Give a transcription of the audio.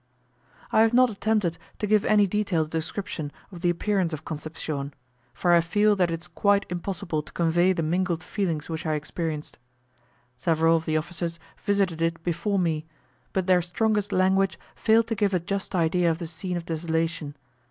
I have not attempted to give any detailed description of the appearance of Concepcion, for I feel that it is quite impossible to convey the mingled feelings which I experienced. Several of the officers visited it before me, but their strongest language failed to give a just idea of the scene of desolation.